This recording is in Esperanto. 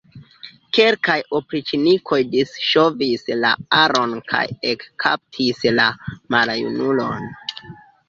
Kelkaj opriĉnikoj disŝovis la aron kaj ekkaptis la maljunulon.